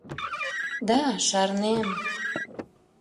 — Да, шарнем.